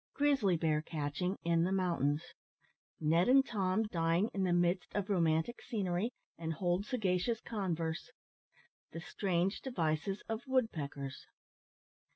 GRIZZLY BEAR CATCHING IN THE MOUNTAINS NED AND TOM DINE IN THE MIDST OF ROMANTIC SCENERY, AND HOLD SAGACIOUS CONVERSE THE STRANGE DEVICES OF WOODPECKERS.